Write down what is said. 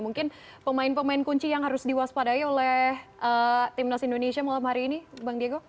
mungkin pemain pemain kunci yang harus diwaspadai oleh timnas indonesia malam hari ini bang diego